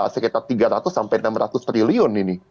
sekitar tiga ratus sampai enam ratus triliun ini